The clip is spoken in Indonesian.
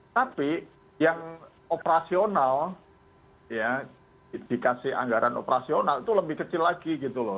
tapi yang operasional ya dikasih anggaran operasional itu lebih kecil lagi gitu loh